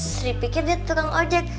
sering pikir dia tukang ojek